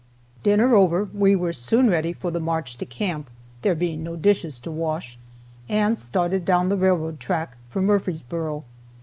Dinner over, we were soon ready for the march to camp, (there being no dishes to wash,) and started down the railroad track for Murfreesboro.